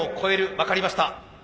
分かりました。